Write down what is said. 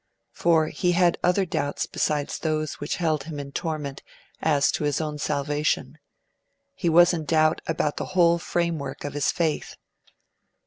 For he had other doubts besides those which held him in torment as to his own salvation; he was in doubt about the whole framework of his faith.